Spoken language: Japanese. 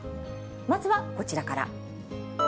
まずはこちらから。